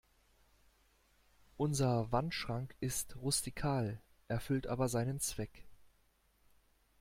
Unser Wandschrank ist rustikal, erfüllt aber seinen Zweck.